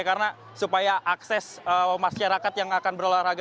karena supaya akses masyarakat yang akan berolahraga